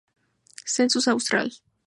Census Austral.